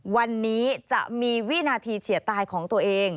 วันนี้จะมีวินาทีเฉียดตายของตัวเอง